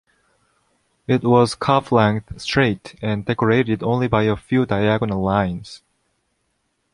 It was calf-length, straight and decorated only by a few diagonal lines.